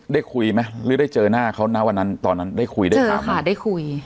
ได้คุยไหมหรือได้เจอหน้าวันนั้นตอนนั้นได้คุยได้ครับได้คุย